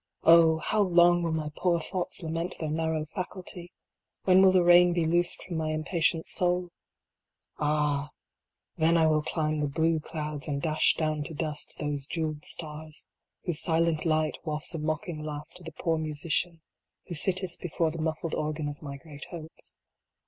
Oh ! how long will my poor thoughts lament their nar row faculty ? When will the rein be loosed from my im patient soul ? Ah ! then I will climb the blue clouds and dash down to dust those jeweled stars, whose silent light wafts a mocking laugh to the poor musician who sitteth before the muffled organ of my great hopes.